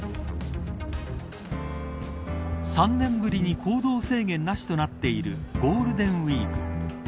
３年ぶりに行動制限なしとなっているゴールデンウイーク。